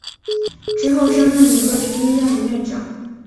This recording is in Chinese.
之后升任一个军医院的院长。